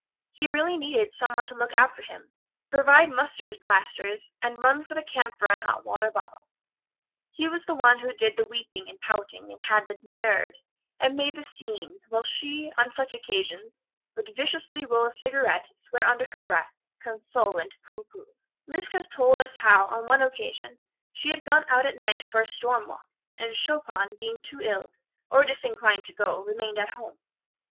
He really needed some one to look after him, provide mustard plasters and run for the camphor and hot water bottle. He was the one who did the weeping and pouting, and had the "nerves" and made the scenes; while she, on such occasions, would viciously roll a cigarette, swear under her breath, console and pooh pooh. Liszt has told us how, on one occasion, she had gone out at night for a storm walk, and Chopin, being too ill, or disinclined to go, remained at home.